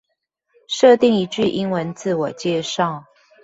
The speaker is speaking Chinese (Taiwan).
設定一句英文自我介紹